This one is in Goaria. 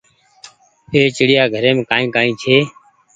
اي چڙيآ گهريم ڪآئي ڪآئي ڇي۔